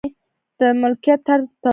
د ملکیت طرز توپیر لري.